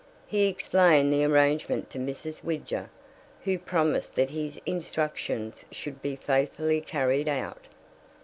He explained the arrangement to Mrs. Widger, who promised that his instructions should be faithfully carried out.